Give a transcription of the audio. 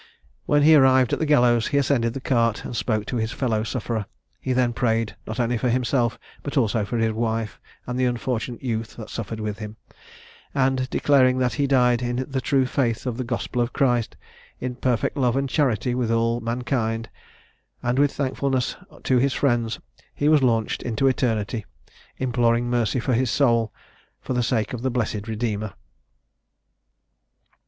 "When he arrived at the gallows he ascended the cart, and spoke to his fellow sufferer. He then prayed, not only for himself, but also for his wife, and the unfortunate youth that suffered with him; and, declaring that he died in the true faith of the Gospel of Christ, in perfect love and charity with all mankind, and with thankfulness to his friends, he was launched into eternity, imploring mercy for his soul for the sake of his blessed Redeemer."